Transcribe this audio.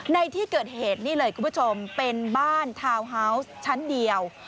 ในที่เกิดเหตุนี่เลยคุณผู้ชมเป็นบ้านทาวน์ฮาวส์ชั้นเดียว